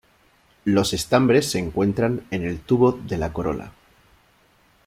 Los estambres se encuentran en el tubo de la corola.